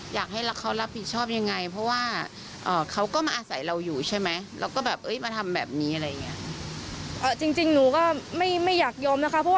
อยากให้แบบเข้ารับผิดชอบยังไงเพราะว่าเขาก็มาใส่เราอยู่ใช่ไหมแล้วก็แบบเฮ้ยมาทำแบบนี้อะไรอย่างนี้เอาจริงอยู่ก้าไม่ไม่อยากยอมนะครับ